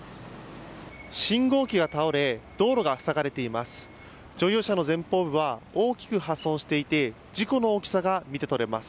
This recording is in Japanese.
信号機が倒れ道路が塞がれています。